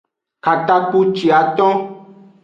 Katakpuciaton.